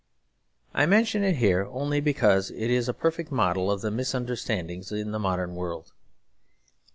I mention it here only because it is a perfect model of the misunderstandings in the modern world.